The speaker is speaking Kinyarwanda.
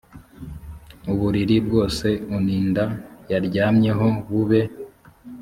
uburiri bwose uninda yaryamyeho bube